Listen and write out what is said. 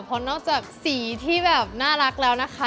เพราะนอกจากสีที่แบบน่ารักแล้วนะคะ